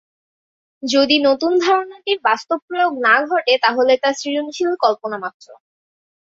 যদি নতুন ধারণাটির বাস্তব প্রয়োগ না ঘটে, তাহলে তা সৃজনশীল কল্পনা মাত্র।